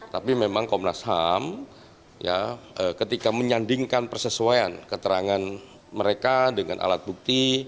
tapi memang komnas ham ketika menyandingkan persesuaian keterangan mereka dengan alat bukti